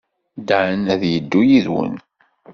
Dan ad yeddu yid-wen.